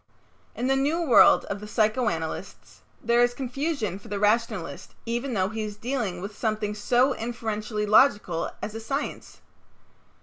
In the new world of the psychoanalysts there is confusion for the rationalist even though he is dealing with something so inferentially logical as a science.